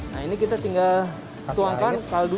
nah ini kita tinggal tuangkan kaldu